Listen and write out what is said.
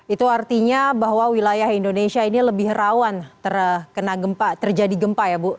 itu artinya bahwa wilayah indonesia ini lebih rawan terjadi gempa ya mbak